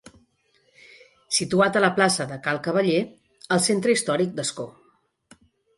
Situat a la plaça de Cal Cavaller, al centre històric d'Ascó.